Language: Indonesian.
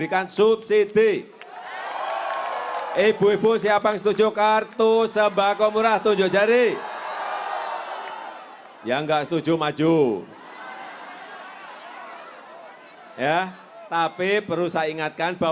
wassalamualaikum warahmatullahi wabarakatuh